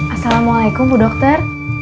assalamu'alaikum bu dokter